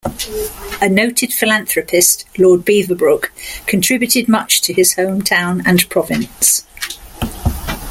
A noted philanthropist, Lord Beaverbrook, contributed much to his home town and province.